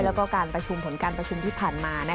แล้วก็การประชุมผลการประชุมที่ผ่านมา